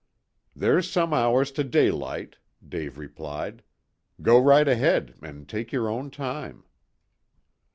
"There's some hours to daylight," Dave replied. "Go right ahead, and take your own time."